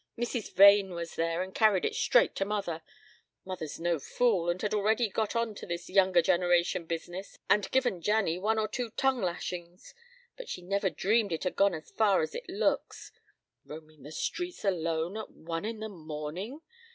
Mrs. Vane was there and carried it straight to mother. Mother's no fool and had already got on to this younger generation business and given Janny one or two tongue lashings, but she never dreamed it had gone as far as it looks. Roaming the streets alone at one in the morning!